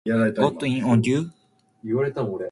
Got it on you?